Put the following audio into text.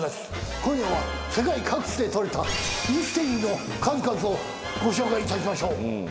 今夜は世界各地で撮れたミステリーの数々をご紹介いたしましょう。